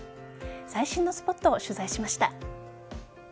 最新のスポットを取材しました。